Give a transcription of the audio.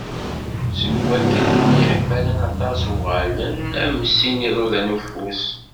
Seg wakken myeḥmalen aṭas, uγalen am sin n yiḍudan n ufus.